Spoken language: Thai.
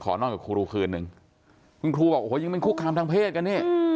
นอนกับครูคืนหนึ่งคุณครูบอกโอ้โหยังเป็นคุกคามทางเพศกันนี่